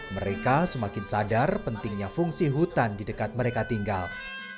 mereka semakin sadar pentingnya fungsi hutan di dekat mereka tinggal